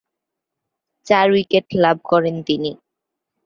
চার উইকেট লাভ করেন তিনি।